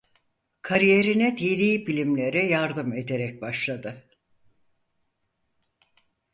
Kariyerine dini bilimlere yardım ederek başladı.